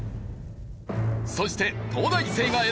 そして東大生が選ぶ！